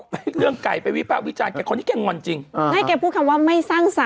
ปลุกในค่ายไงดิ